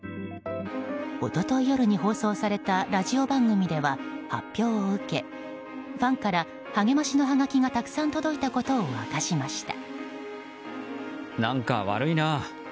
一昨日夜に放送されたラジオ番組では発表を受けファンから励ましのはがきがたくさん届いたことを明かしました。